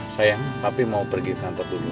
sayang tapi mau pergi ke kantor dulu